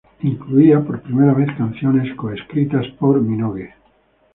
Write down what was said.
Incluía por primera vez, canciones co-escritas por Minogue.